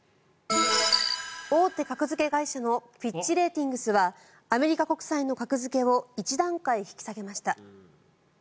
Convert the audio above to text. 大手格付け会社のフィッチ・レーティングスはアメリカ国債の格付けを１段階引き下げました。